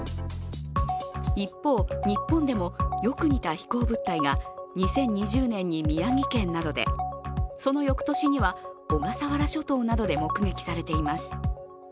一方、日本でもよく似た飛行物体が２０２０年に宮城県などでその翌年には小笠原諸島などで目撃されています。